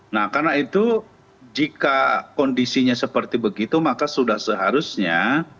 nah karena itu jika kondisinya seperti begitu maka sudah seharusnya